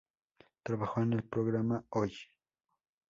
Trabajó en el programa "Hoy".